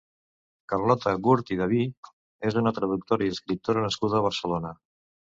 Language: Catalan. Carlota Gurt i Daví és una traductora i escriptora nascuda a Barcelona.